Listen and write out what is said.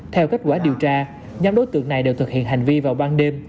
theo kết quả điều tra nhóm đối tượng này đều thực hiện hành vi vào ban đêm